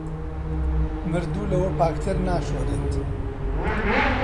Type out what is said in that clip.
مردوو لەوە پاکتر ناشۆرێت